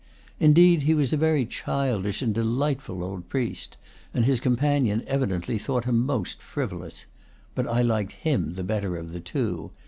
Indeed, he was a very childish and delightful old priest, and his companion evidently thought him most frivolous. But I liked him the better of the two.